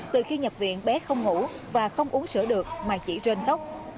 từ khi nhập viện bé không ngủ và không uống sữa được mà chỉ rơn tóc